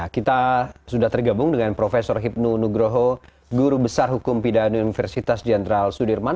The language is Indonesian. kita sudah tergabung dengan prof hipnu nugroho guru besar hukum pidana universitas jenderal sudirman